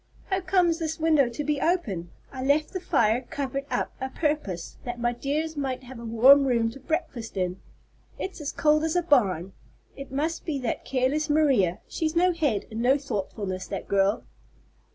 "How comes this window to be open? I left the fire covered up a purpose, that my dears might have a warm room to breakfast in. It's as cold as a barn. It must be that careless Maria. She's no head and no thoughtfulness, that girl."